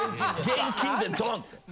現金でドンって。